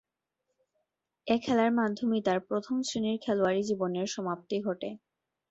এ খেলার মাধ্যমেই তার প্রথম-শ্রেণীর খেলোয়াড়ী জীবনের সমাপ্তি ঘটে।